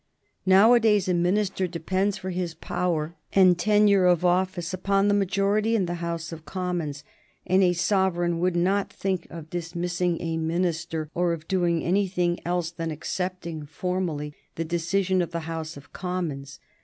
Nowadays a minister depends for his power and tenure of office upon the majority in the House of Commons, and a sovereign would not think of dismissing a minister, or of doing anything else than accepting formally the decision of the House of Commons.